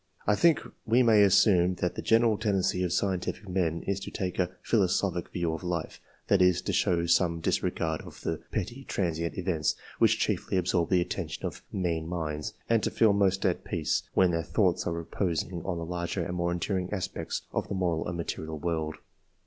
I think we may assume that the general ten dency of scientific men is to take a " philosophic " view of life ; that is, to show some disregard of the petty, transient events which chiefly absorb the attention of mean minds, and to feel most at peace when their thoughts are reposing on the larger and more enduring aspects of the moral and material world.